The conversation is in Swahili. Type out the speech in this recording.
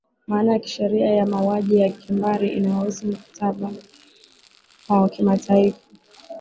maana ya kisheria ya mauaji ya kimbari inahusu mkataba wa kimataifa